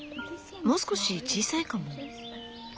もう少し小さいかも。